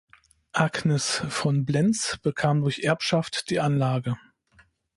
Agnes von Blens bekam durch Erbschaft die Anlage.